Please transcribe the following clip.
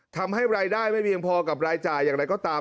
ทำให้รายได้ไม่เพียงพอกับรายจ่ายอย่างไรก็ตาม